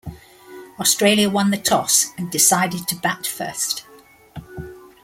Australia won the toss and decided to bat first.